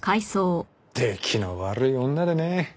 出来の悪い女でね